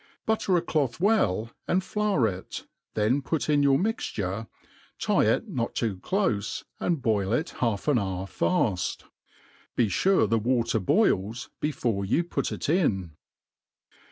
Butter a cloth well* and flour it ; then put in your mixture, tie it not too clofe, and boil it half an hour faft. Be fure the water boils before you put it in.